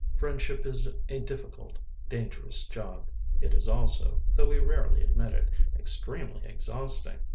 Friendship is a difficult, dangerous job. It is also (though we rarely admit it) extremely exhausting.